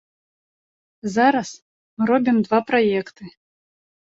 Зараз мы робім два праекты.